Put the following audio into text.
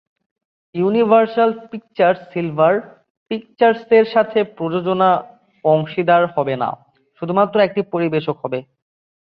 Universal Pictures Silver পিকচার্সের সাথে প্রযোজনা অংশীদার হবে না, শুধুমাত্র একটি পরিবেশক হবে।